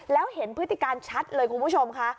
แล้วเห็นพฤติการชัดเลยคุณผู้ชมค่ะ